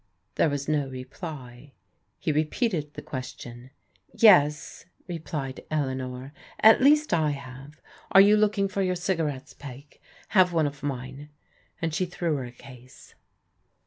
There was no reply. He repeated the question. "Yes," replied Eleanor, "at least, I have. Are you looking for your cigarettes, Peg? Have one of mine," and she threw her a case.